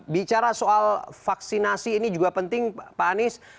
bicara soal vaksinasi ini juga penting pak anies